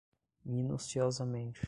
minuciosamente